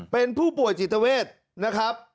เป็นผู้ป่วยจิตเวทนะครับ